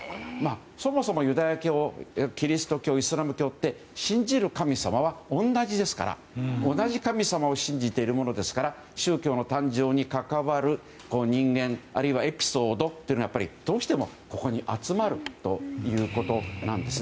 そもそもユダヤ教キリスト教、イスラム教って信じる神様は同じですから同じ神様を信じているものですから宗教の誕生に関わる人間あるいはエピソードというのはどうしてもここに集まるということです。